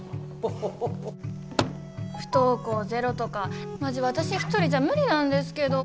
不登校ゼロとかマジわたし一人じゃ無理なんですけど。